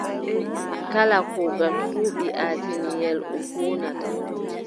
Kala kuugal fuu ɓii atiimiyel o huunata.